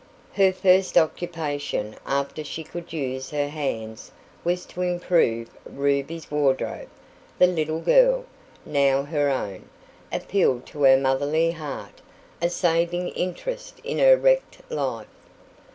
Her first occupation after she could use her hands was to improve Ruby's wardrobe the little girl, now her own, appealed to her motherly heart, a saving interest in her wrecked life.